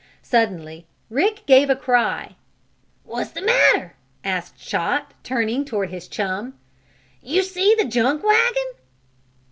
Suddenly Rick gave a cry. "What's the matter?" asked Chot, turning toward his chum. "Do you see the junk wagon?"